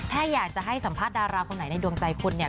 ถ้าอยากจะให้สัมภาษณ์ดาราคนไหนในดวงใจคุณเนี่ย